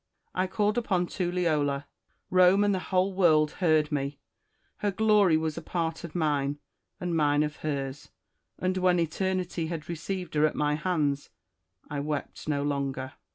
I called upon Tulliola : Rome and the whole world heard me ; her glory was a part of mine, and mine of hers ; and when Eternity had received her at my hands, I wept no longer.